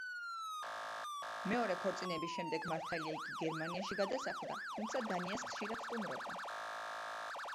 მეორე ქორწინების შემდეგ მართალია იგი გერმანიაში გადასახლდა, თუმცა დანიას ხშირად სტუმრობდა.